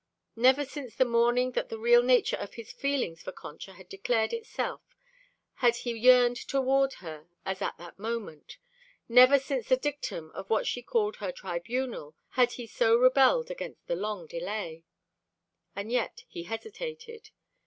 Never since the morning that the real nature of his feeling for Concha had declared itself had he yearned toward her as at that moment; never since the dictum of what she called their "tribunal" had he so rebelled against the long delay. And yet he hesitated.